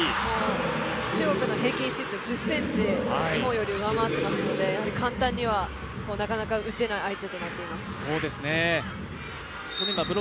中国の平均身長、１０ｃｍ、日本より上回っていますので簡単にはなかなか打てない相手となっています。